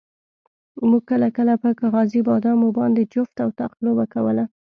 موږ کله کله په کاغذي بادامو باندې جفت او طاق لوبه کوله.